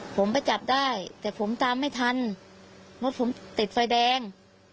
ผมไปจับได้แต่ผมตามไม่ทันรถผมติดไฟแดง